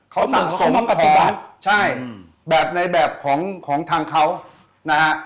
เขาสะสมของใช่แบบในแบบของทางเขานะครับ